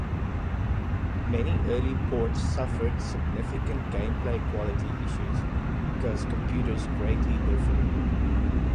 Many early ports suffered significant gameplay quality issues because computers greatly differed.